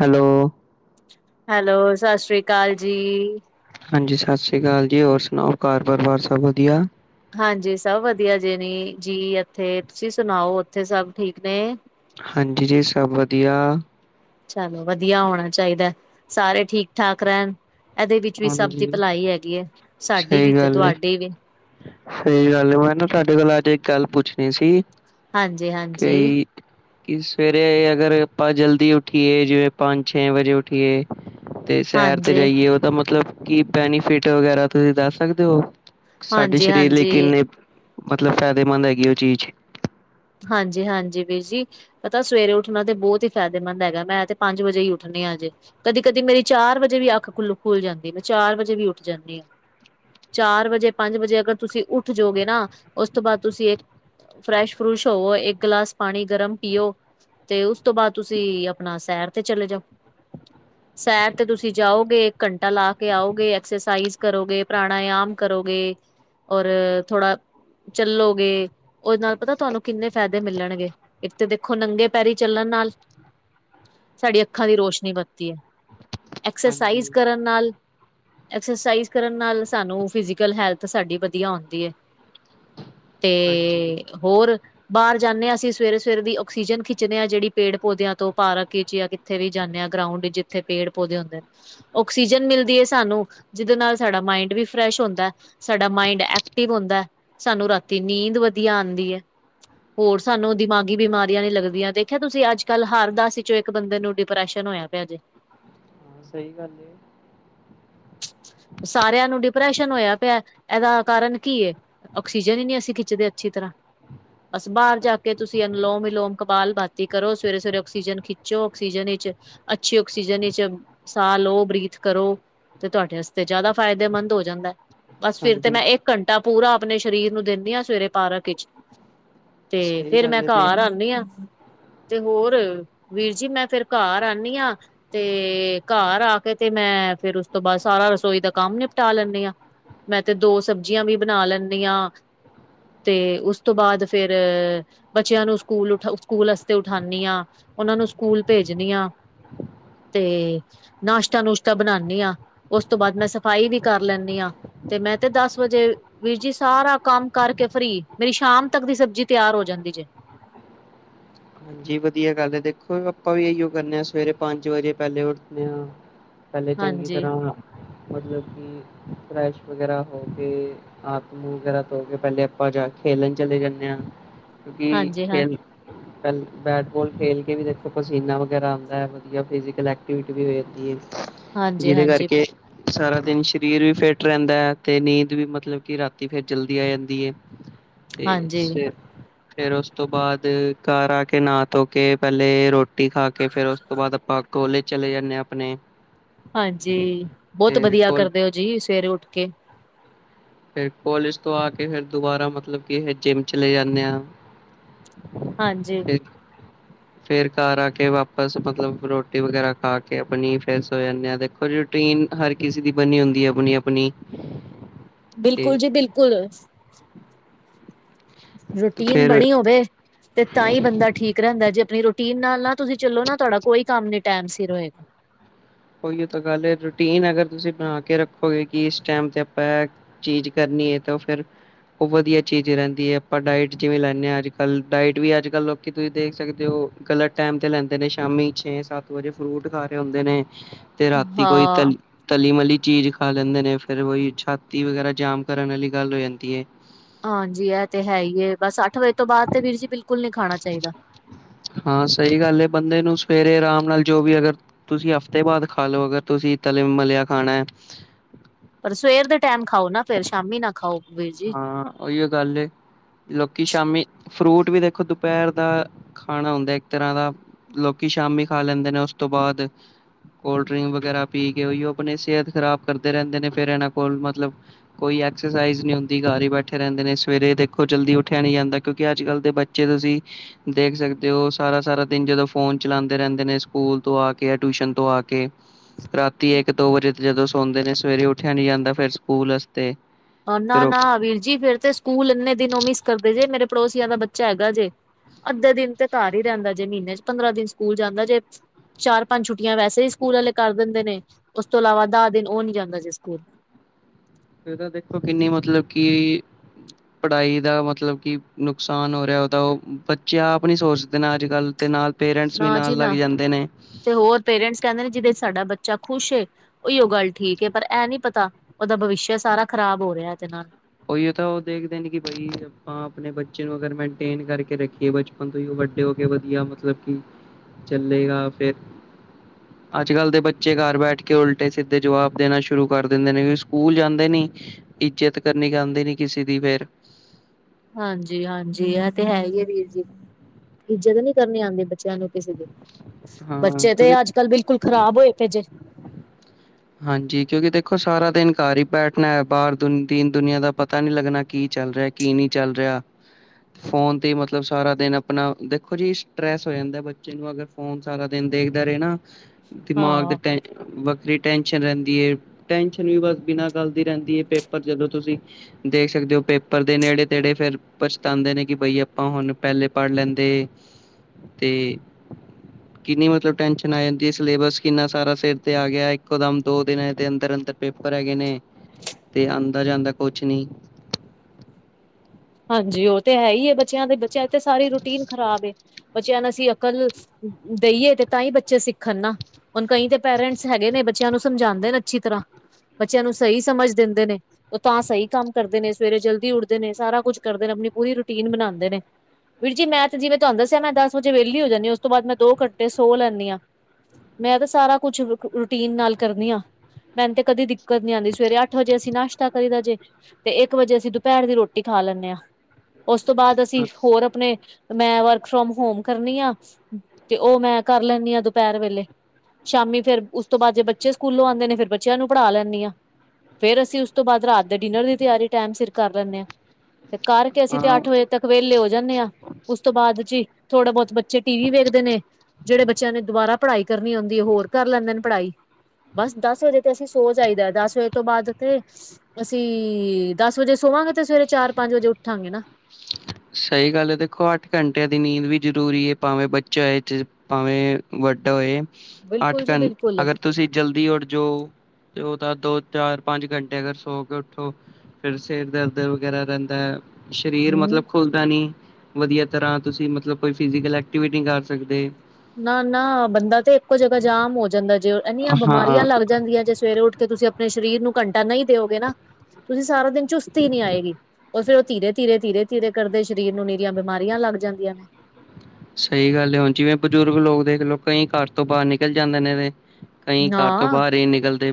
Hello. Hello, ਸਤਿ ਸ਼੍ਰੀ ਅਕਾਲ ਜੀ। ਹਾਂਜੀ ਸਤਿ ਸ਼੍ਰੀ ਅਕਾਲ ਜੀ, ਹੋਰ ਸੁਣਾਓ? ਘਰ-ਪਰਿਵਾਰ ਸਭ ਵਧੀਆ? ਹਾਂਜੀ, ਸਭ ਵਧੀਆ ਜੇ ਨੀ ਜੀ ਇੱਥੇ, ਤੁਸੀਂ ਸੁਣਾਓ, ਉੱਥੇ ਸਭ ਠੀਕ ਨੇ? ਹਾਂਜੀ ਜੀ, ਸਭ ਵਧੀਆ। ਚਲੋ ਵਧੀਆ ਹੋਣਾ ਚਾਹੀਦਾ, ਸਾਰੇ ਠੀਕ-ਠਾਕ ਰਹਿਣ। ਐਦੇ ਵਿੱਚ ਵੀ ਸਭ ਦੀ ਹਾਂਜੀ ਭਲਾਈ ਹੈਗੀ ਏ, ਸਾਡੀ ਵੀ ਸਹੀ ਤੇ ਗੱਲ ਏ ਤੁਹਾਡੀੇ ਵੀ। ਸਹੀ ਗੱਲ ਏ, ''ਮੈਂ ਨਾ ਤੁਹਾਡੇ ਕੋਲ ਅੱਜ ਇੱਕ ਗੱਲ ਪੁੱਛਣੀ ਸੀ, ਹਾਂਜੀ-ਹਾਂਜੀ, ਕਿਈ ਕਿ ਸਵੇਰੇ ਅਗਰ ਆਪਾਂ ਜਲਦੀ ਉੱਠੀਏ, ਜਿਵੇਂ ਪੰਜ-ਛੇ ਵਜੇ ਉੱਠੀਏ ਤੇ ਸ਼ੈਰ ਤੇ ਹਾਂਜੀ, ਜਾਈਏ, ਉਹਦਾ ਮਤਲਬ ਕੀ ਬੈਨੀਫਿਟ ਵਗੈਰਾ ਤੁਸੀ ਦੱਸ ਸਕਦੇ ਹੋ? ਸਾਡੇ ਸਰੀਰ ਲਈ ਹਾਂਜੀ-ਹਾਂਜੀ, ਕਿੰਨੇ, ਮਤਲਬ ਫਾਇਦੇਮੰਦ ਹੈਗੀ ਉਹ ਚੀਜ਼। ਹਾਂਜੀ-ਹਾਂਜੀ, ਵੀਰ ਜੀ। ਪਤਾ ਸਵੇਰੇ ਉੱਠਣਾ ਤੇ ਬਹੁਤ ਈ ਫਾਇਦੇਮੰਦ ਹੈਗਾ, ਮੈਂ ਤੇ ਪੰਜ ਵਜੇ ਹੀ ਉੱਠਨੀ ਆ ਜੇ। ਕਦੀ-ਕਦੀ ਮੇਰੀ ਚਾਰ ਵਜੇ ਵੀ ਅੱਖ ਖੁੱਲ ਖੁੱਲ ਜਾਂਦੀ, ''ਮੈਂ ਚਾਰ ਵਜੇ ਵੀ ਉੱਠ ਜਾਂਨੀ ਆ। ਚਾਰ ਵਜੇ, ਪੰਜ ਵਜੇ ਅਗਰ ਤੁਸੀਂ ਉੱਠਜੋਗੇ ਨਾ, ਉਸ ਤੋ ਬਾਅਦ ਤੁਸੀਂ ਫ੍ਰੈਸ਼-ਫਰੂਸ਼ ਹੋਵੋ, ਇੱਕ ਗਲਾਸ ਪਾਣੀ ਗਰਮ ਪੀਓ। ਤੇ, ਉਸ ਤੋ ਬਾਅਦ ਤੁਸੀ, ਅਪਣਾ ਸੈਰ ਤੇ ਚਲੇ ਜਾਓ। ਸੈਰ ਤੇ ਤੁਸੀਂ ਜਾਓਗੇ, ਇੱਕ ਘੰਟਾ ਲਾਕੇ ਆਓਗੇ, ਐਕਸਰਸਾਈਜ਼ ਕਰੋਗੇ, ਪ੍ਰਾਣਾਯਾਮ ਕਰੋਗੇ ਓਰ ਥੋੜਾ, ਚੱਲੋਗੇ ਉਹਦੇ ਨਾਲ ਪਤਾ ਤੁਹਾਨੂੰ ਕਿੰਨੇ ਫਾਇਦੇ ਮਿਲਣਗੇ, ਇੱਕ ਤਾਂ ਦੇਖੋ ਨੰਗੇ ਪੈਰੀ ਚੱਲਣ ਨਾਲ ਸਾਡੀ ਅੱਖਾਂ ਦੀ ਰੋਸ਼ਨੀ ਵੱਧਤੀ ਏ, ਹਾਂਜੀ ਐਕਸਰਸਾਈਜ਼ ਕਰਨ ਨਾਲ ਐਕਸਰਸਾਈਜ਼ ਕਰਨ ਨਾਲ ਸਾਨੁ, ਫਿਜ਼ੀਕਲ ਹੈਲਥ ਸਾਡੀ ਵਧੀਆ ਹੋਂਦੀ ਏ। ਤੇ ਹਾਂਜੀ ਹੋਰ ਬਾਹਰ ਜਾਨੇ ਹਾਂ ਅਸੀਂ ਸਵੇਰੇ ਸਵੇਰੇ ਦੀ ਆਕਸੀਜਨ ਖਿੱਚਦੇ ਹਾਂ ਜਿਹੜੀ ਪੇੜ ਪੌਦਿਆਂ ਤੋਂ ਪਾਰਕ ਚ ਯ ਕੀਥ ਉੱਥੇ ਵੀ ਜਾਂਨੇ ਆਂ ਗਰਾਉਂਡ ਜਿੱਥੇ ਪੇੜ ਪੌਦੇ ਹੁੰਦੇ ਆਕਸੀਜਨ ਮਿਲਦੀ ਹੈ ਸਾਨੂੰ ਜਿਹਦੇ ਨਾਲ ਸਾਡਾ ਮਾਇੰਡ ਵੀ ਫਰੈਸ਼ ਹੁੰਦਾ ਸਾਡਾ ਮਾਇੰਡ ਐਕਟਿਵ ਹੁੰਦਾ ਸਾਨੂੰ ਰਾਤੀ ਨੀਂਦ ਵਧੀਆ ਆਂਦੀ ਏ ਹੋਰ ਸਾਨੂੰ ਦਿਮਾਗੀ ਬਿਮਾਰੀਆਂ ਨੀ ਲੱਗਦੀਆਂ ਦੇਖਿਆ ਤੁਸੀਂ ਅੱਜ ਕੱਲ੍ਹ ਹਰ ਦਸ ਚੋਂ ਇੱਕ ਬੰਦੇ ਨੂੰ ਡਿਪਰੈਸ਼ਨ ਹੋਇਆ ਪਿਆ ਜੇ ਹਾਂ ਸਹੀ ਗੱਲ ਏ ਸਾਰਿਆਂ ਨੂੰ ਡਿਪਰੈਸ਼ਨ ਹੋਇਆ ਪਿਆ ਇਹਦਾ ਕਾਰਨ ਕੀ ਏ ਆਕਸੀਜਨ ਹੀ ਨਹੀਂ ਅਸੀਂ ਖਿੱਚਦੇ ਅੱਛੀ ਤਰਾਂ ਬਸ ਬਾਹਰ ਜਾ ਕੇ ਤੁਸੀਂ ਅਲੋਮਵਿਲੋਮ, ਕਬਾਲ ਭਾਤੀ ਕਰੋ ਸਵੇਰੇ ਸਵੇਰੇ ਆਕਸੀਜਨ ਖਿੱਚੋ ਆਕਸੀਜਨ ਚ ਅੱਛੀ ਆਕਸੀਜਨ ਚ ਸਾਹ ਲਓ ਬਰੀਥ ਕਰੋ ਤੇ ਤੁਹਾਡੇ ਵਾਸਤੇ ਜ਼ਿਆਦਾ ਫਾਇਦੇਮੰਦ ਹੋ ਜਾਂਦਾ ਬਸ ਫਿਰ ਤੇ ਹਾਂਜੀ ਮੈਂ ਇੱਕ ਘੰਟਾ ਪੂਰਾ ਆਪਣੇ ਸਰੀਰ ਨੂੰ ਦਿੰਦੀ ਹਾਂ ਸਵੇਰੇ ਪਾਰਕ ਚ ਤੇ ਸਹੀ ਫੇਿਰ ਗੱਲ ਮੈਂ ਏ ਤੇ ਘਰ ਆਉਨੀ ਆ ਤੇ ਹੋਰ ਵੀਰ ਜੀ ਮੈਂ ਫੇਰ ਘਰ ਆਉਨੀ ਆਂ ਤੇ ਘਰ ਆ ਕੇ ਤੇ ਮੈਂ ਫਿਰ ਉਸ ਤੋਂ ਬਾਦ ਸਾਰਾ ਰਸੋਈ ਦਾ ਕੰਮ ਨਿਪਟਾ ਲੈਂਦੀ ਆਂ ਮੈਂ ਤੇ ਦੋ ਸਬਜ਼ੀਆਂ ਵੀ ਬਣਾ ਲੈਂਦੀ ਆਂ ਤੇ ਉਸ ਤੋਂ ਬਾਦ ਫੇਰ ਬੱਚਿਆਂ ਨੂੰ ਸਕੂਲ ਉਠਾ ਸਕੂਲ ਵਸਤੇ ਉਠਾਉਂਣੀ ਹਾਂ ਉਹਨਾਂ ਨੂੰ ਸਕੂਲ ਭੇਜਨੀ ਆਂ ਤੇ ਨਾਸ਼ਤਾ ਨੁਸ਼ਤਾ ਬਨਾਨੀ ਆਂ ਉਸ ਤੋਂ ਬਾਦ ਮੈਂ ਸਫ਼ਾਈ ਵੀ ਕਰ ਲੈਂਨੀ ਆਂ ਤੇ ਮੈਂ ਤੇ ਦਸ ਵਜੇ ਵੀਰ ਜੀ ਸਾਰਾ ਕੰਮ ਕਰਕੇ ਫ੍ਰੀ ਮੇਰੀ ਸ਼ਾਮ ਤੱਕ ਦੀ ਸਬਜ਼ੀ ਤਿਆਰ ਹੋ ਜਾਂਦੀ ਜੇ ਹਾਂਜੀ ਵਧੀਆ ਗੱਲ ਹੈ। ਦੇਖੋ ਆਪਾਂ ਵੀ ਇਹੀਓ ਕਰਨੇ ਆਂ ਸਵੇਰੇ ਪੰਜ ਵਜੇ ਪਹਿਲੇ ਉੱਠਦੇ ਆਂ ਪਹਿਲੇ ਚੰਗੀ ਹਾਂਜੀ ਤਰ੍ਹਾਂ ਮਤਲਬ ਕਿ ਫਰੈਸ਼ ਵਗੈਰਾ ਹੋ ਕੇ ਹੱਥ, ਮੂੰਹ ਵਗੈਰਾ ਧੋ ਕੇ ਪਹਿਲੇ ਆਪਾਂ ਜਾ ਖੇਲਣ ਚਲੇ ਜਾਣੇ ਆਂ ਕਿਉਂਕਿ ਹਾਂਜੀ ਹਾਂ ਖੇਲ ਪਹਿਲ ਬੈਟਬੋਲ ਖੇਡ ਕੇ ਵੀ ਦੇਖੋ ਪਸੀਨਾ ਵਗੈਰਾ ਆਉਂਦਾ ਏ। ਵਧੀਆ ਫਿਜੀੀਕਲ ਐਕਟੀਵਿਟੀ ਵੀ ਹੋ ਜਾਂਦੀ ਏ ਹਾਂਜੀ ਜਿਹਦੇ ਹਾਂਜੀ ਕਰਕੇ ਸਾਰਾ ਦਿਨ ਸਰੀਰ ਵੀ ਫਿੱਟ ਰਹਿੰਦਾ ਏ ਤੇ ਨੀਂਦ ਵੀ ਮਤਲਬ ਕਿ ਰਾਤੀ ਫੇਰ ਜਲਦੀ ਆ ਜਾਂਦੀ ਏ [inaudible] ਤੇ ਸ਼ ਹਾਂਜੀ ਫੇਰ ਉਸ ਤੋਂ ਬਾਅਦ ਘਰ ਆ ਕੇ ਨਾ ਧੋ ਕੇ ਪਹਿਲੇ ਰੋਟੀ ਖਾ ਕੇ ਫੇਰ ਉਸ ਤੋਂ ਬਾਦ ਆਪਾਂ ਕੋਲੇਜ ਚਲੇ ਜਾਂਨੇ ਆਂ ਆਪਨੇ ਹਾਂਜੀ, ਬਹੁਤ ਵਧੀਆ ਕੋਲ ਕਰਦੇ ਹੋ ਜੀ ਸਵੇਰੇ ਉੱਠ ਕੇ ਫਿਰ ਕੋਲੇਜ ਤੋਂ ਆ ਕੇ ਫਿਰ ਦੁਬਾਰਾ ਮਤਲਬ ਕਿ ਇਹ ਜਿੰਮ ਚਲੈ ਜਾਂਨੇ ਆ ਹਾਂਜੀ [inaudible] ਫੇਰ ਘਰ ਆ ਕੇ ਵਾਪਸ ਮਤਲਬ ਰੋਟੀ ਵਗੈਰਾ ਖਾ ਕੇ ਆਪਣੀ ਫੇਰ ਸੋ ਜਾਂਨੇ ਆਂ ਦੇਖੋ ਜੀ ਰੁਟੀਨ ਹਰ ਕਿਸੇ ਦੀ ਬਨੀਂ ਹੁੰਦੀ ਹੈ ਅਪਣੀ ਅਪਣੀ [inaudible] ਬਿਲਕੁਲ ਜੀ ਬਿਲਕੁਲ ਰੂਟੀਨ ਫੇਰ ਬਨੀ ਹੋਵੇ ਤੇ ਤਾਂਹੀ ਬੰਦਾ ਠੀਕ ਰਹਿੰਦਾ ਜੇ ਆਪਨੀ ਰੋਟੀ ਰੁਟੀਨ ਨਾਲ ਨਾ ਤੁਸੀਂ ਚਲੋ ਨਾ ਤੁਹਾਡਾ ਕੋਈ ਕੰਮ ਨੀ ਟਾਈਮ ਸਿਰ ਹੋਏ ਉਹੀ ਤਾਂ ਗੱਲ ਏ ਰੂਟੀਨ ਅਗਰ ਤੁਸੀਂ ਬਣਾ ਕੇ ਰੱਖੋਗੇ ਕਿ ਇਸ ਟਾਈਮ ਤੇ ਆਪਾਂ ਚੀਜ਼ ਕਰਨੀ ਹੈ ਤਾਂ ਫੇਰ। ਉਹ ਵਧੀਆ ਚੀਜ਼ ਰਹਿੰਦੀ ਹੈ ਆਪਾਂ ਡਾਇਟ ਜਿਵੇਂ ਲੈਂਦੇ ਹਾਂ ਅੱਜ ਕੱਲ੍ਹ ਡਾਇਟ ਵੀ ਅੱਜ ਕੱਲ ਕਿ ਤੁਸੀਂ ਦੇਖ ਸਕਦੇ ਹੋ ਗਲਤ ਟੈਮ ਤੇ ਲੈਂਦੇ ਨੇ ਸ਼ਾਮੀ ਛੇ, ਸੱਤ ਵਜੇ ਫਰੂਟ ਖਾ ਰਹੇ ਹੁੰਦੇ ਨੇ ਤੇ ਰਾਤੀ ਕੋਈ ਹਾਂ। ਤਲੀ ਤਲੀ, ਮਲੀ ਚੀਜ਼ ਖਾ ਲੈਂਦੇ ਨੇ ਫੇਰ ਉਹੀ ਛਾਤੀ ਵਗ਼ੈਰਾ ਜਾਮ ਕਰਨ ਵਾਲੀ ਗੱਲ ਹੋ ਜਾਂਦੀ ਏ ਹਾਂਜੀ ਇਹ ਤੇ ਹੈ ਹੀ ਬਸ ਅੱਠ ਵਜੇ ਤੋਂ ਬਾਦ ਤੇ ਵੀਰ ਜੀ ਬਿਲਕੁਲ ਨਹੀਂ ਖਾਣਾ ਚਾਹੀਦਾ ਹਾਂ ਸਹੀ ਗੱਲ ਹੈ ਬੰਦੇ ਨੂੰ ਸਵੇਰੇ ਆਰਾਮ ਨਾਲ ਜੋ ਵੀ ਅਗਰ ਤੁਸੀਂ ਹਫਤੇ ਬਾਦ ਖਾ ਲੋ ਅਗਰ ਤੁਸੀਂ ਤਲੀਆਂ ਤਲੀਆਂ ਮਲਿਆ ਖਾਣਾ ਏ ਪਰ ਸਵੇਰ ਦੇ ਟਾਈਮ ਖਾਓ ਨਾ ਫੇਿਰ ਸ਼ਾਮੀ ਨਾ ਖਾਓ ਵੀਰ ਜੀ। ਹਾਂ ਉਹੀਓ ਗੱਲ ਲੋਕੀ ਸ਼ਾਮੀ ਫਰੂਟ ਵੀ ਦੇਖੋ ਦੁਪਹਿਰ ਦਾ ਖਾਣਾ ਹੁੰਦਾ ਇੱਕ ਤਰ੍ਹਾਂ ਦਾ ਲੋਕੀ ਸ਼ਾਮੀ ਖਾ ਲੈਂਦੇ ਨੇ ਉਸ ਤੋਂ ਬਾਅਦ ਕੋਲਡ ਡਰਿੰਕ ਵਗੈਰਾ ਪੀ ਕੇ ਉਹੀਓ ਆਪਣੀ ਸਿਹਤ ਖ਼ਰਾਬ ਕਰਦੇ ਰਹਿੰਦੇ ਨੇ ਫੇਿਰ ਇਹਨਾਂ ਕੋਲ ਮਤਲਬ ਕੋਈ ਐਕਸਰਸਾਈਜ਼ ਨਹੀਂੀ ਹੁੰਦਾ ਦੀ ਘਰ ਹੀ ਬੈਠੇ ਰਹਿੰਦੇ ਨੇ ਸਵੇਰੇ ਦੇਖੋ ਜਲਦੀ ਉੱਠਿਆ ਨਹੀਂੀ ਜਾਂਦਾ ਕਿਉਂਕਿ ਅੱਜ ਕੱਲ੍ਹ ਦੇ ਬੱਚੇ ਤੁਸੀਂ ਦੇਖ ਸਕਦੇ ਹੋ ਸਾਰਾ ਸਾਰਾ ਦਿਨ ਜਦੋਂ ਫੋਨ ਚਲਾਉਂਦੇ ਰਹਿੰਦੇ ਨੇ ਸਕੂਲ ਤੋਂ ਆ ਕੇ ਟਿਊਸ਼ਨ ਤੋਂ ਆ ਕੇ ਰਾਤੀ ਇੱਕ ਦੋ ਵਜੇ ਜਦੋਂ ਸੌਂਦੇ ਨੇ ਸਵੇਰੇ ਉੱਠਿਆ ਨੀ ਜਾਂਦਾ ਫਿਰ ਸਕੂਲ ਵਸਤੇ ਨਾ ਨਾ ਵੀਰ ਜੀ ਫੇਿਰ ਤੇ ਸਕੂਲ ਇੰਨੇ ਦਿਨੋ ਮਿਸ ਕਰਦੇ ਜੇ ਮੇਰੇ ਪੜੋਸੀਆਂ ਦਾ ਬੱਚਾ ਹੈਗਾ ਜੇ ਅੱਧੇ ਦਿਨ ਤੇ ਘਰ ਹੀ ਰਹਿੰਦਾ ਜੇ ਮਹੀਨੇ ਚ ਪੰਦਰਾਂ ਦਿਨ ਸਕੂਲ ਜਾਂਦਾ ਜੇ ਚਾਰ ਪੰਜ ਛੁੱਟੀਆਂ ਵੈਸੇ ਹੀ ਸਕੂਲ ਵਾਲੇ ਕਰ ਦਿੰਦੇ ਨੇ ਉਸ ਤੋਂ ਇਲਾਵਾ ਦਸ ਦਿਨ ਉਹ ਨੀ ਜਾਂਦਾ ਜੇ ਸਕੂਲ ਫਿਰ ਤਾਂ ਦੇਖੋ ਕਿੰਨੀ ਮਤਲਬ ਕਿ ਪੜ੍ਹਾਈ ਦਾ ਮਤਲਬ ਕਿ ਨੁਕਸਾਨ ਹੋ ਰਿਹਾ ਉਹਦਾ ਉਹ ਬੱਚੇ ਆਪ ਨੀ ਸੋਚਦੇ ਨੇ ਅੱਜ ਕੱਲ੍ਹ ਦੇ ਨਾਲ ਪੇਰੈਂਟਸ ਵੀ ਨਾ ਨਾਲ ਜੀ ਲੱਗ ਨਾ ਜਾਂਦੇ ਨੇ ਤੇ ਹੋਰ ਪੇਰੈਂਟਸ ਕਹਿੰਦੇ ਨੇ ਜਿਹਦੇ ਸਾਡਾ ਬੱਚਾ ਖੁਸ਼ ਏ ਉਹੀ ਉਹ ਗੱਲ ਠੀਕ ਹੈ ਪਰ ਇਹ ਨੀ ਪਤਾ ਉਹਦਾ ਭਵਿੱਸ਼ਯ ਸਾਰਾ ਖ਼ਰਾਬ ਹੋ ਰਿਹਾ ਇਹਦੇ ਨਾਲ ਉਹੀ ਤਾਂ ਉਹ ਦੇਖਦੇ ਨ ਕਿ ਭਾਈ ਆਪਾਂ ਆਪਣੇ ਬੱਚੇ ਨੂੰ ਅਗਰ ਮੇਨਟੇਨ ਕਰਕੇ ਰੱਖੀਏ ਬਚਪਨ ਤੋਂ ਹੀ ਉਹ ਵੱਡੇ ਹੋ ਕੇ ਵਧੀਆ ਮਤਲਬ ਕਿ ਚੱਲੇਗਾ ਫੇਿਰ [inaudible] ਅੱਜ ਕੱਲ੍ਹ ਦੇ ਬੱਚੇ ਘਰ ਬੈਠ ਕੇ ਉਲਟੇ ਸਿੱਧੇ ਜਵਾਬ ਦੇਣਾ ਸ਼ੁਰੂ ਕਰ ਦਿੰਦੇ ਨੇ ਕਿ ਸਕੂਲ ਜਾਂਦੇ ਨੀ ਇੱਜਤ ਕਰਨੀ ਆਂਦੀ ਨੀ ਕਿਸੇ ਦੀ ਫੇਿਰ ਹਾਂਜੀ ਹਾਂਜੀ ਇਹ ਤੇ ਹੈ ਹੀ ਹੈ ਵੀਰ ਜੀ ਇੱਜਤ ਨੀ ਕਰਨੀ ਆਉਂਦੀ ਬੱਚਿਆਂ ਨੂੰ ਕਿਸੇ ਦੇ ਹਾਂ ਬੱਚੇ ਤੇ ਕਿਉਂਕਿ ਅੱਜ ਕੱਲ੍ਹ ਬਿਲਕੁਲ ਖ਼ਰਾਬ ਹੋਏ ਭੇ ਜੇ ਹਾਂਜੀ ਕਿਉਂਕਿ ਦੇਖੋ ਸਾਰਾ ਦਿਨ ਘਰ ਹੀ ਬੈਠਣਾ ਹੈ ਬਾਹਰ ਦੁ ਦੀਨ ਦੁਨੀਆਂ ਦਾ ਪਤਾ ਨੀ ਲੱਗਣਾ ਕੀ ਚੱਲ ਰਿਹਾ ਕੀ ਨਹੀਂੀ ਚੱਲ ਰਿਹਾ ਫੋਨ ਤੇ ਮਤਲਬ ਸਾਰਾ ਦਿਨ ਆਪਣਾ ਦੇਖੋ ਜੀ ਸਟਰ੍ਰੈਸ ਹੋ ਜਾਂਦਾ ਬੱਚੇ ਨੂੰ ਅਗਰ ਫੋਨ ਸਾਰਾ ਦਿਨ ਦੇਖਦਾ ਰਹੇ ਨਾ ਦਿਮਾਗ ਹਾਂ ਦੇ ਵੱਖਰੀ ਟੈਂਸ਼ਨ ਰਹਿੰਦੀ ਹੈ ਟੈਨਸ਼ਨ ਵੀ ਬਸ ਬਿਨਾਂ ਗੱਲਦੀ ਰਹਿੰਦੀ ਹੈ ਪੇਪਰ ਜਦੋਂ ਤੁਸੀਂ ਦੇਖ ਸਕਦੇ ਹੋ ਪੇਪਰ ਦੇ ਨੇੜੇ ਤੇੜੇ ਫੇਰ ਪਛਤਾਉਂਦੇ ਨੇ ਕਿ ਬਈ ਆਪਾਂ ਹੁਣ ਪਹਿਲੇ ਪੜ੍ਹ ਲੈਂਦੇ ਤੇ [inaudible] ਕਿੰਨੀ ਮਤਲਬ ਟੈਨਸ਼ਨ ਆ ਜਾਂਦੀ ਸਿਲੇਬਸ ਕਿੰਨਾ ਸਾਰਾ ਸਿਰ ਤੇ ਆ ਗਿਆ ਇਕੋ ਦਮ ਦੋ ਦਿਨ ਦੇ ਅੰਦਰ ਅੰਦਰ ਪੇਪਰ ਹੈਗੇ ਨੇ ਤੇ ਆਉਂਦਾ ਜਾਂਦਾ ਕੁਛ ਨੀ ਹਾਂਜੀ ਉਹ ਤੇ ਹੈ ਹੀ ਬੱਚਿਆਂ ਦੇ ਬੱਚਿਆਂ ਤੇ ਸਾਰੀ ਰੂਟੀਨ ਖ਼ਰਾਬ ਬੱਚਿਆਂ ਨੂੰ ਅਸੀਂ ਅਕਲ ਦੇਈਏ ਤੇ ਤਾਂ ਹੀ ਬੱਚੇ ਸਿੱਖਣ ਨਾ ਹੁਣ ਕਈ ਤੇ ਪੇਰੈਂਟਸ ਹੈਗੇ ਨੇ ਬੱਚਿਆਂ ਨੂੰ ਸਮਝਾਉਂਦੇ ਅੱਛੀ ਤਰ੍ਹਾਂ ਬੱਚਿਆਂ ਨੂੰ ਸਹੀ ਸਮਝ ਦਿੰਦੇ ਨੇ ਉਹ ਤਾਂ ਸਹੀ ਕੰਮ ਕਰਦੇ ਨੇ ਸਵੇਰੇ ਜਲਦੀ ਉੱਠਦੇ ਨੇ ਸਾਰਾ ਕੁਛ ਕਰਦੇ ਨੇ ਆਪਣੀ ਪੂਰੀ ਰੂਟੀਨ ਬਣਾਦੇ ਨੇ। ਵੀਰ ਜੀ ਮੈਂ ਤੇ ਜਿਵੇਂ ਤੁਹਾਨ ਦੱਸਿਆ ਮੈਂ ਦਸ ਵਜੇ ਵਿਹਲੀ ਹੋ ਜਾਂਦੀ ਉਸ ਬਾਦ ਮੈਂ ਦੋ ਘੰਟ ਸੌ ਲੈਨੀ ਹਾ। ਮੈਂ ਤੇ ਸਾਰਾ ਕੁਛ ਰੂਟੀਨ ਨਾਲ ਕਰਨੀ ਆ। ਮੈਨੂੰ ਤੇ ਕਦੀ ਦਿੱਕਤ ਨੀ ਆਦੀ ਸਵੇਰੇ ਅੱਠ ਵਜੇ ਅਸੀਂ ਨਾਸ਼ਤਾ ਕਰੀ ਦਾ ਜੇ। ਤੇ ਇੱਕ ਵਜੇ ਅਸੀਂ ਦੁਪਹਿਰ ਦੀ ਰੋਟੀ ਖਾ ਲੈਨੇ ਆ। ਉਸ ਤੋਂ ਬਾਦ ਅਸੀਂ ਹੋਰ ਆਪਣੇ ਮੈਂ ਵਰਕ ਫਰੋਮ ਹੋਮ ਕਰਨੀ ਆ। ਤੇ ਉਹ ਮੈਂ ਕਰ ਲੈਣੀ ਆ ਦੁਪਹਿਰ ਵੇਲੇ। ਸ਼ਾਮੀ ਫੇਰ ਉਸ ਤੋਂ ਬਾਦ ਜੇ ਬੱਚੇ ਸਕੂਲੋਂ ਆਦੇ ਨੇ ਫਿਰ ਬੱਚਿਆਂ ਉਹ ਨੂੰ ਪੜਾ ਲੈਨੀ ਆ। ਫੇਰ ਅਸੀਂ ਉਸ ਤੋਂ ਬਾਦ ਰਾਤ ਦੇ ਡਿਨਰ ਦੀ ਤਿਆਰੀ ਟੈਮ ਸਿਰ ਕਰ ਲੈਨੇ ਹਾਂ ਕਰਕੇ ਅਸੀਂ ਤੇ ਹਾਂ ਅੱਠ ਵਜੇ ਤਕ ਵੇਲੇ ਹੋ ਜਾਨੇ ਆ ਉਸ ਤੋਂ ਬਾਦ ਜੀ ਥੋੜਾ ਬੋਹਤ ਬੱਚੇ ਟੀ ਵੀ ਵੇਖਦੇ ਨੇ। ਜਿਹੜੇ ਬੱਚਿਆਂ ਨੇ ਦੁਬਾਰਾ ਪੜ੍ਹਾਈ ਕਰਨੀ ਹੁੰਦੀ ਏ ਹੋਰ ਕਰ ਲੈਂਦੇ ਨੇ ਪੜ੍ਹਾਈ। ਬਸ ਦਸ ਵਜੇ ਤੇ ਅਸੀਂ ਸੋ ਚਹੀਦਾ ਦਸ ਵਜੇ ਤੋਂ ਬਾਅ ਤੇ ਅਸੀਂ ਦਸ ਵਜੇ ਸੋਵਾਂਗੇ ਤੇ ਸਵੇਰੇ ਚਾਰ ਪੰਜ ਵਜੇ ਉੱਠਾਂਗੇ ਨਾ। ਹ [unintelligible] ਸਹੀ ਗੱਲ ਹੈ ਦੇਖੋ ਅੱਠ ਘੰਟਿਆਂ ਦੀ ਨੀਂਦ ਵੀ ਜ਼ਰੂਰੀ ਹੈ ਭਾਵੇਂ ਬੱਚਾ ਏ ਚ ਭਾਵੇਂ ਵੱਡਾ ਹੋਏ ਅੱਠ ਬਿਲਕੁਲ ਜੀ ਘੰ ਬਿਲਕੁਲ ਅਗਰ ਤੁਸੀਂ ਜਲਦੀ ਉੱਠ ਜੋ ਤੇ ਉਹ ਤਾਂ ਦੋ, ਚਾਰ, ਪੰਜ ਘੰਟੇ ਅਗਰ ਸੋ ਕੇ ਉੱਠੋ ਫਿਰ ਸਿਰ ਦਰਦ ਵਗੈਰਾ ਰਹਿੰਦਾ ਸਰੀਰ ਹਮ ਮਤਲਬ ਖੁਲਦਾ ਨੀ ਵਧੀਆ ਤਰ੍ਹਾਂ ਤੁਸੀਂ ਮਤਲਬ ਕੋਈ ਫਿਜੀਕਲ ਐਕਟੀਵਿਟੀ ਨ ਕਰ ਸਕਦੇ। ਨਾ-ਨਾ ਬੰਦਾ ਤੇ ਇੱਕੋ ਜਗ੍ਹਾ ਜਾਮ ਹੋ ਜਾਂਦਾ ਜੇ ਐਨੀਆਂ ਬਿਮਾਰੀਆਂ ਹਾਂ ਲੱਗ ਜਾਂਦੀਆਂ ਜੇ ਸਵੇਰੇ ਉੱਠ ਤੁਸੀਂ ਆਪਣੇ ਸਰੀਰ ਨੂੰ ਘੰਟਾ ਨਈ ਦਿਓਗੇ ਨਾ ਤੁਸੀਂ ਸਾਰਾ ਦਿਨ ਚੁਸਤੀ ਨੀ ਆਏਗੀ ਉਹ ਫੇਰ ਉਹ ਧੀਰੇ-ਧੀਰੇ, ਧੀਰੇ-ਧੀਰੇ ਕਰਦੇ ਸਰੀਰ ਨੂੰ ਨੀਰੀਆ ਬਿਮਾਰੀਆਂ ਲੱਗ ਜਾਂਦੀਆਂ ਨੇ। ਸਹੀ ਗੱਲ ਹੈ ਹੁਣ ਜਿਵੇਂ ਬਜ਼ੁਰਗ ਲੋਕ ਦੇਖ ਲਓ ਕਈ ਘਰ ਤੋਂ ਬਾਰ ਨਿਕਲ ਜਾਂਦੇ ਨੇ ਤੇ ਕਈ ਘਰ ਤੋਂ ਨਾ ਬਾਹਰ ਹੀ ਨਿਕਲਦੇ।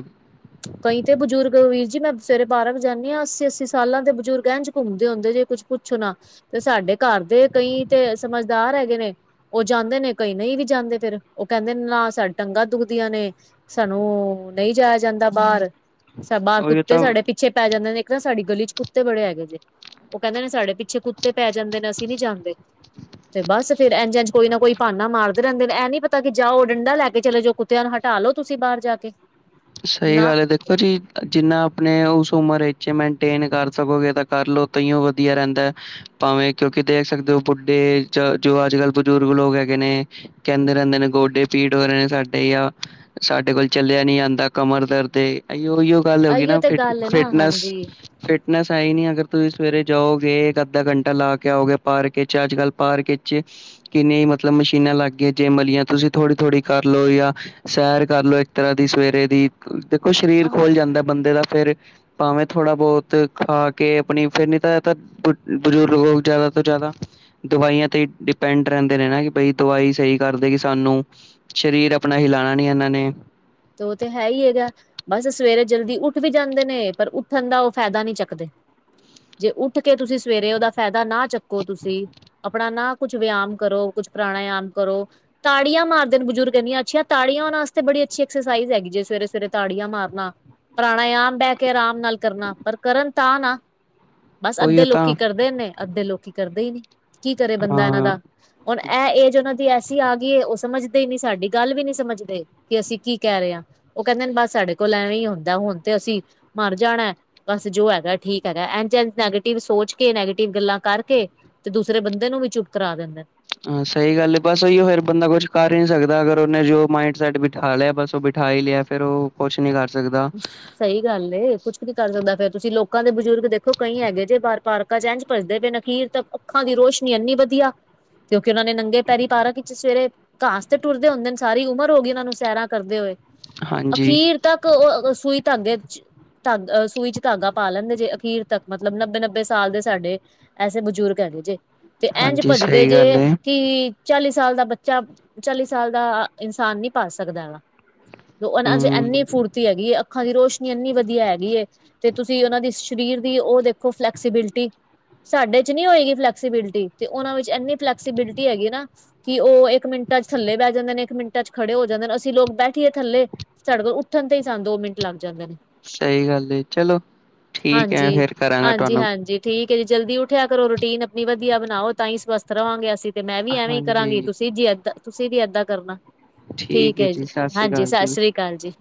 ਕਈ ਤੇ ਬਜ਼ੁਰਗ ਵੀਰ ਜੀ ਮੈਂ ਸਵੇਰੇ ਪਾਰਕ ਜਾਨੀ ਆ ਅੱਸੀ- ਅੱਸੀ ਸਾਲਾਂ ਦੇ ਬਜ਼ੁਰਗ ਇਹਿੰਝ ਘੁੰਮਦੇ ਹੁੰਦੇ ਜੇ ਕੁਛ ਪੁੱਛੋ ਨਾ ਤੇ ਸਾਡੇ ਘਰ ਦੇ ਕਈ ਤੇ ਸਮਝਦਾਰ ਹੈਗੇ ਨੇ ਉਹ ਜਾਂਦੇ ਨੇ ਕਈ ਨਹੀਂ ਵੀ ਜਾਂਦੇ ਫਿਰ ਉਹ ਕਹਿੰਦੇ ਨੇ ਨਾ ਸਾਡ ਟੰਗਾਂ ਦੁਖਦੀਆਂ ਨੇ। ਸਾਨੂੰ ਨਹੀਂ ਜਾਇਆ ਜਾਂਦਾ ਬਾਹਰ, ਬਾਹਰ ਉਹੀ ਕੁੱਤੇ ਤਾਂ ਸਾਡੇ ਪੀ ਛੇ ਪੈ ਜਾਂਦੇ ਨੇ ਇੱਕ ਨਾ ਸਾਡੀ ਗਲੀ ਚ ਕੁੱਤੇ ਬੜੇ ਹੈਗੇ ਜੇ। ਉਹ ਕਹਿੰਦੇ ਨੇ ਸਾਡੇ ਪਿੱਛੇ ਕੁੱਤੇ ਪੈ ਜਾਂਦੇ ਨੇ ਅਸੀਂ ਨੀ ਜਾਂਦੇ। ਤੇ ਬਸ ਫੇਰ ਇੰਝ-ਇੰਝ ਕੋਈ ਨਾ ਕੋਈ ਭਾਨਾ ਮਾਰਦੇ ਰਹਿੰਦੇ ਨੇ ਇਹ ਨੀ ਪਤਾ ਕਿ ਜਾ ਉਹ ਡੰਡਾ ਲੈ ਕੇ ਚਲੇ ਜੋ ਕੁ ਤਿਆਂ ਨੂੰ ਹਟਾ ਲੋ ਤੁਸੀਂ ਬਾਰ ਜਾ ਕੇ। ਸਹੀ ਨਾ ਗੱਲ ਹੈ ਦੇਖੋ ਜੀ ਜਿੰਨਾ ਆਪਣੇ ਉਸ ਉਮਰ ਵਿੱਚ ਮੇਨਟੇਨ ਕਰ ਸਕੋਗੇ ਤਾਂ ਕਰਲ ਤਾਹੀ ਓ ਵਧੀਆ ਰਹਿੰਦਾ। ਭਾਵੇਂ ਕਿਉਂਕਿ ਦੇਖ ਸਕਦੇ ਹੋ ਬੁੱਢੇ ਜੋ ਅੱਜ ਕੱਲ੍ਹ ਬਜ਼ੁਰਗ ਲੋਕ ਹੈਗੇ ਨੇ ਕਹਿੰਦੇ ਰਹਿੰਦੇ ਨੇ ਗੋਡੇ ਪੀੜ ਹੋ ਰਹੇ ਨੇ ਸਾਡੇ ਜਾਂ ਸਾਡੇ ਕੋਲ ਚਲਿਆ ਨੀ ਜਾਂਦਾ। ਕਮਰ ਦਰਦ ਏ ਆਈਓ ਓਈਓ ਗੱਲ ਹੋ ਗੀ ਆਈਓ ਨਾ ਤੇ ਫ ਗੱਲ ਹੈ ਨਾ ਫਿਟਨੈਸ ਹਾਂਜੀ ਫਿਟਨੈਸ ਹੈ ਹੀ ਨੀ ਅਗਰ ਤੁਸੀਂ ਸਵੇਰੇ ਜਾਓਗੇ ਇੱਕ ਅੱਧਾ ਘੰਟਾ ਲਾ ਕੇ ਆਓਗੇ ਪਾਰਕ ਚ ਅੱਜ ਕੱਲ ਪਾਰਕ ਵਿਚ ਕਿੰਨੇ ਮਤਲਬ ਮਸ਼ੀਨਾਂ ਲੱਗ ਗਈਆਂ ਜੇਮ ਵਾਲੀਆ। ਤੁਸੀਂ ਥੋੜ੍ਹੀ-ਥੋੜ੍ਹੀ ਕਰ ਲੋ ਜਾਂ ਸੈਰ ਕਰ ਲਓ ਇੱਕ ਤਰ੍ਹਾਂ ਦੀ ਸਵੇਰੇ ਦੀ। ਦੇਖੋ ਸਰੀਰ ਆਹ ਖੋਲ੍ਹ ਜਾਂਦਾ ਬੰਦੇ ਦਾ ਫੇਰ ਭਾਵੇਂ ਥੋੜ੍ਹਾ ਬੋਹਤ ਖਾ ਕੇ ਆਪਣੀ ਫਿਰ ਨੀ ਤਾ ਇਹ ਤਾਂ ਬਜ਼ੁਰਗ ਲੋਕ ਜਾਦਾ ਤੋਂ ਜਾਦਾ। ਦਵਾਈਆਂ ਤੇ ਡਿਪੈਂਡ ਰਹਿੰਦੇ ਨੇ ਨਾ ਕਿ ਬਈ ਦਵਾਈ ਸਹੀ ਕਰਦੇ ਕਿ ਸਾਨੂੰ। ਸਰੀਰ ਆਪਣਾ ਹਿਲਾਣਾ ਨੀ ਇਹਨਾਂ ਨੇ ਤੇ ਉਹ ਤੇ ਹੈ ਹੀ ਹੈਗਾ। ਬਸ ਸਵੇਰੇ ਜਲਦੀ ਉੱਠ ਵੀ ਜਾਂਦੇ ਨੇ ਪਰ ਉੱਠਣ ਦਾ ਉਹ ਫਾਇਦਾ ਨਹੀਂ ਚੱਕਦੇ। ਜੇ ਉੱਠ ਕੇ ਤੁਸੀਂ ਸਵੇਰੇ ਉਹਦਾ ਫਾਇਦਾ ਨਾ ਚੱਕੋ ਤੁਸੀਂ ਆਪਣਾ ਨਾ ਕੁਛ ਵਿਆਯਮ ਕਰੋ ਕੁਛ ਪ੍ਰਣਾਯਮ ਕਰੋ। ਤਾੜੀਆਂ ਮਾਰਦੇ ਨੇ ਬਜ਼ੁਰਗ ਇਨੀਆਂ ਅੱਛੀਆਂ ਤਾੜੀਆਂ ਉਹਨਾਂ ਵਾਸਤੇ ਬੜੀ ਅੱਛੀ। ਐਕਸਰਸਾਈਜ਼ ਹੈਗੀ ਜੇ ਸਵੇਰੇ ਸਵੇਰੇ ਤਾੜੀਆਂ ਮਾਰਨਾ। ਪ੍ਰਾਣਾਯਾਮ ਬਹਿ ਕੇ ਆਰਾਮ ਨਾਲ ਕਰਨਾ ਪਰ ਕਰਨ ਤਾਂ ਨਾ, ਬਸ ਅੱਧੇ ਉਹੀਓ ਤਾਂ ਲੋਕੀ ਕਰਦੇ ਨੇ ਅੱਧੇ ਲੋਕੀ ਕਰਦੇ ਹੀ ਨੀ ਕੀ ਕਰੇ ਬੰਦਾ ਇਹਨਾਂ ਹਾਂ ਦਾ। ਹੁਣ ਇਹ ਏਜ ਉਹਨਾਂ ਦੀ ਐਸੀ ਆ ਗਈ ਏ ਉਹ ਸਮਝਦੇ ਹੀ ਨੀ ਸਾਡੀ ਗੱਲ ਵੀ ਨੀ ਸਮਝਦੇ ਕਿ ਅਸੀਂ ਕੀ ਕਹਿ ਰਹੇ ਆ ਉਹ ਕਹਿੰਦੇ ਨੇ ਬਸ ਸਾਡੇ ਕੋਲ ਐਵੇਂ ਹੀ ਹੁੰਦਾ ਹੁਣ ਤੇ ਅਸੀਂ ਮਰ ਜਾਣਾ। ਬਸ ਜੋ ਹੈਗਾ ਠੀਕ ਹੈਗਾ ਇੰਝ ਇਜ ਨੈਗੇਟਿਵ ਸੋਚ ਕੇ ਨੈਗੇਟਿਵ ਗੱਲਾਂ ਕਰਕੇ। ਤੇ ਦੂਸਰੇ ਬੰਦੇ ਨੂੰ ਵੀ ਚੁੱਪ ਕਰਾ ਦਿੰਦੇ ਨੇ। ਹਾਂ ਸਹੀ ਗੱਲ ਇਹ ਬਸ ਉਹੀਓ ਫਿਰ ਬੰਦਾ ਕੁਛ ਕਰ ਈ ਨੀ ਸਕਦਾ ਅਗਰ ਉਹਨੇ ਜੋ ਮਾਇੰਡ ਸੈਟ ਬਿਠਾ ਲਿਆ ਬਸ ਉਹ ਬਿਠਾ। ਬਿਠਾ ਈ ਲਿਆ ਫਿਰ ਉਹ ਕੁਛ ਨਹੀਂ ਕਰ ਸਕਦਾ। ਨੇ। ਸਹੀ ਗੱਲ ਏ ਕੁੱਛ ਨੀ ਕਰ ਸਕਦਾ ਫੇਰ ਤੁਸੀਂ ਲੋਕਾਂ ਦੇ ਬਜ਼ੁਰਗ ਦੇਖੋ ਕਈ ਹੈਗੇ ਜੇ ਬਾਹਰ ਪਾਰਕ ਪਾਰਕਾਂ ਚ ਇੰਜ ਭਜਦੇ ਪਏ ਅਖੀਰ ਤਾਂ ਅੱਖਾਂ ਦੀ ਰੋਸ਼ਨੀ ਐੰਨੀ ਵਧੀਆ। ਕਿਉਂਕਿ ਉਹਨਾਂ ਨੇ ਨੰਗੇ ਪੈਰੀ ਪਾਰਕ ਵਿੱਚ ਸਵੇਰੇ ਘਾਸ ਤੇ ਤੁਰਦੇ ਹੁੰਦੇ ਨੇ ਸਾਰੀ ਉਮਰ ਹੋ ਗਈ। ਉਹ ਨੂੰ ਸੈਰਾਂ ਕਰਦੇ ਹੋਏ। ਹਾਂਜੀ ਅਖੀਰ ਤੱਕ ਉਹ ਸੂਈ ਧਾਗੇ ਵਿੱਚ। ਧਾਗਾ ਸੂਈ 'ਚ ਧਾਗਾ ਪਾ ਲੈਂਦੇ ਜੇ ਅਖੀਰ ਤੱਕ ਮਤਲਬ ਨੱਬੇ ਨੱਬੇ ਸਾਲ ਦੇ ਸਾਡੇ। ਐਸੇ ਬਜ਼ੁਰਗ ਹੈਗੇ ਜੇ ਤੇ ਇੰਝ ਹਾਂਜੀ ਭੱਜਦੇ ਸਹੀ ਗੱਲ ਜੇ ਹੈ ਕਿ। ਚਾਲੀ ਸਾਲ ਦਾ ਬੱਚਾ ਚਾਲੀ ਸਾਲ ਦਾ ਇਨਸਾਨ ਨੀ ਪਾ ਸਕਦਾ ਹੈਗਾ। ਉਹਨਾਂ 'ਚ ਐੰਨੀ ਹਮ ਫੁਰਤੀ ਹੈਗੀ ਹੈਏ ਏ ਅੱਖਾਂ ਦੀ ਰੋਸ਼ਨੀ ਐੰਨੀ ਵਧੀਆ ਹੈਗੀ ਏ। ਤੇ ਤੁਸੀਂ ਉਹਨਾਂ ਦੀ ਸਰੀਰ ਦੀ ਉਹ ਦੇਖੋ ਫਲੈਕਸੀਬਿਲਿਟੀ। ਸਾਡੇ 'ਚ ਨਹੀਂ ਹੋਏਗੀ ਫਲੈਕਸੀਬਿਲਿਟੀ ਤੇ ਉਹਨਾਂ ਵਿੱਚ ਇੰਨੀ ਫਲੈਕਸੀਬਿਲਿਟੀ ਹੈਗੀ ਨਾ। ਕਿ ਉਹ ਇੱਕ ਮਿੰਟਾਂ 'ਚ ਥੱਲੇ ਬਹਿ ਜਾਂਦੇ ਨੇ ਇੱਕ ਮਿੰਟਾਂ 'ਚ ਖੜੇ ਹੋ ਜਾਂਦੇ ਨੇ ਅਸੀਂ ਲੋਕ ਬੈਠੀਏ ਥੱਲੇ। ਸਾਡੇ ਤੋਂ ਉੱਠਣ ਤੇ ਹੀ ਸਾਨੂੰ ਦੋ ਮਿੰਟ ਲੱਗ ਜਾਂਦੇ ਨੇ। ਸਹੀ ਗੱਲ ਹੈ ਚਲੋ ਠੀਕ ਹੈ ਹਾਂਜੀ। ਫੇਰ ਕਰਾਂਗਾ ਤੁਹਾਨੂੰ। ਹਾਂਜੀ-ਹਾਂਜੀ ਠੀਕ ਹੈ ਜੀ ਜਲਦੀ ਉੱਠਿਆ ਕਰੋ। ਰੂਟੀਨ ਆਪਣੀ ਵਧੀਆ ਬਣਾਓ ਤਾਂ ਹੀ ਸਵਸਥ ਰਵਾਂਗੇ ਅਸੀਂ। ਤੇ ਮੈਂ ਵੀ ਐਵੇਂ ਹੀ ਕਰਾਂਗੀ ਹਾਂਜੀ ਤੁਸੀਂ ਜੀ ਏਦਾਂ ਤੁਸੀਂ ਵੀ ਏਦਾਂ ਕਰਨਾ। ਠੀਕ ਹੈ ਜੀ, ਸਤਿ ਸ੍ਰੀ ਹਾਂਜੀ, ਅਕਾਲ ਸਤਿ ਜੀ ਸ੍ਰੀ ਅਕਾਲ ਜੀ।